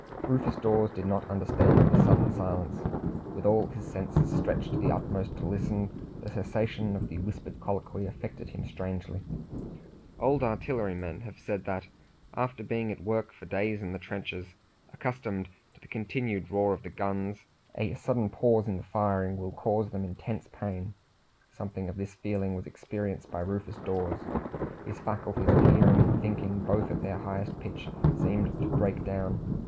Rufus Dawes did not understand the sudden silence. With all his senses stretched to the utmost to listen, the cessation of the whispered colloquy affected him strangely. Old artillery men have said that, after being at work for days in the trenches, accustomed to the continued roar of the guns, a sudden pause in the firing will cause them intense pain. Something of this feeling was experienced by Rufus Dawes. His faculties of hearing and thinking both at their highest pitch seemed to break down.